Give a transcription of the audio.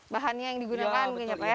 bahannya yang digunakan kayaknya pak ya